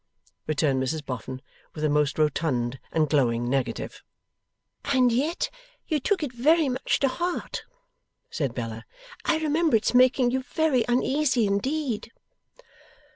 returned Mrs Boffin, with a most rotund and glowing negative. 'And yet you took it very much to heart,' said Bella. 'I remember its making you very uneasy, indeed.